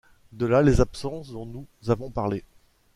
De là les absences dont nous avons parlé.